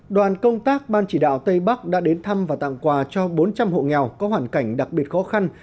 đoàn công tác ban chỉ đạo tây bắc đã đến thăm và tặng quà cho bốn trăm linh hộ nghèo có hoàn cảnh đặc biệt khó khăn